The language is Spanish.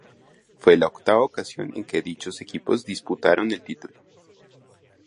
Fue la octava ocasión en que dichos equipos disputaron el título.